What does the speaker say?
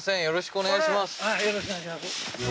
よろしくお願いします